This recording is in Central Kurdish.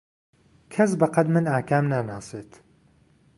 کەس بەقەد من ئاکام ناناسێت.